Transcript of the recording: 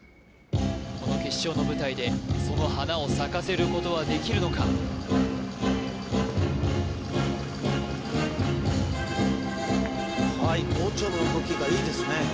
この決勝の舞台でその花を咲かせることはできるのかはいオチョの動きがいいですね